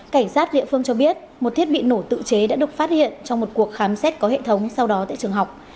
cảnh sát địa phương cho biết một thiết bị nổ tự chế đã được phát hiện trong một cuộc khám xét có hệ thống sau đó tại trường học